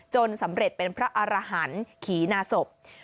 สำเร็จเป็นพระอารหันต์ขี่นาศพ